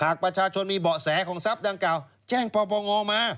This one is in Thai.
หากประชาชนมีเบาะแสของทรัพย์ดังกล่าวแจ้งปปงมา